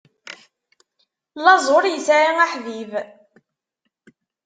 Laẓ ur isɛi aḥbib.